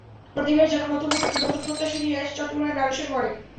প্রতিবার যেন নতুন রূপে নতুন প্রত্যাশা নিয়ে আসে চট্টগ্রামের মানুষের মনে।